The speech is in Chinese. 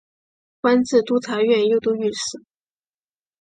官至都察院右都御史。